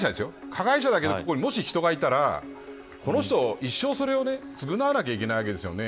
加害者だけど、もし、ここに人がいたらこの人は一生それを償わなければいけないわけですよね。